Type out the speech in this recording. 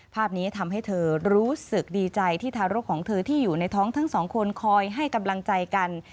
ภาพนี้ทำให้เธอรู้สึกดีใจที่ทารกของเธอที่อยู่ในท้องทั้งสองคนคอยให้กำลังใจกัน